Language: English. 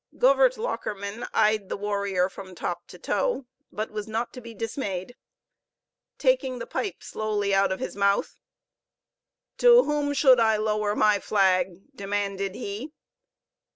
Govert Lockerman eyed the warrior from top to toe, but was not to be dismayed. Taking the pipe slowly out of his mouth, "To whom should I lower my flag?" demanded he.